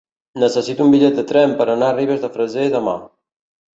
Necessito un bitllet de tren per anar a Ribes de Freser demà.